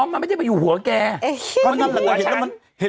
อ๋อมันไม่ได้มาอยู่หัวแก